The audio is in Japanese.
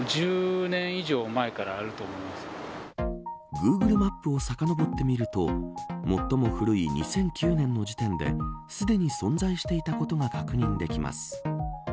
Ｇｏｏｇｌｅマップをさかのぼってみると最も古い２００９年の時点ですでに存在していたことが確認できます。